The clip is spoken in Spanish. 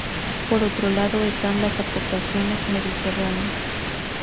Por otro lado están las aportaciones mediterráneas.